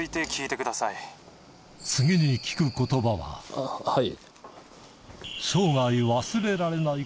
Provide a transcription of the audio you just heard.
あぁはい。